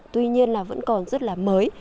tuy nhiên là vẫn còn rất là mới